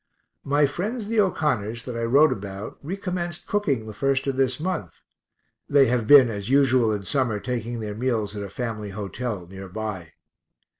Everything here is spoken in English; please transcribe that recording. My friends the O'Connors that I wrote about recommenced cooking the 1st of this month (they have been, as usual in summer, taking their meals at a family hotel near by).